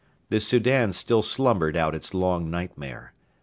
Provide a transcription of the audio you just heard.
The Soudan still slumbered out its long nightmare.